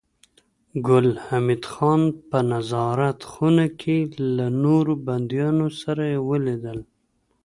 ګل حمید خان په نظارت خونه کې له نورو بنديانو سره ولیدل